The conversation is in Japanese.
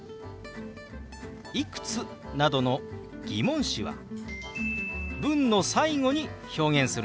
「いくつ？」などの疑問詞は文の最後に表現するんでしたね。